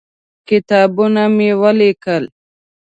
کتابونه مې ولیکل.